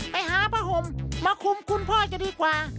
ไปหาผ้าห่มมาคุมคุณพ่อจะดีกว่า